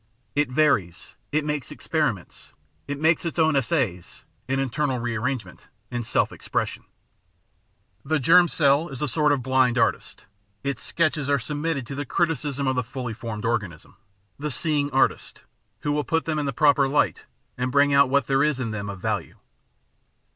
It varies, it makes experiments, it makes its own essays (in internal rearrangement) in self expression. The germ cell is a sort of a blind artist ; its sketches are submitted to the criticism of the fully formed organism, the 546 The Outline of Science seeing artist, who wiU put them in the proper Hght and bring out what there is in them of value.